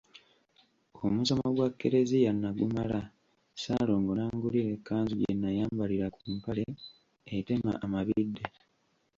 Omusomo gwa Klezia nagumala Ssaalongo n’angulira ekkanzu gye nnayambalira ku mpale etema amabidde.